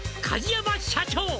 「梶山社長」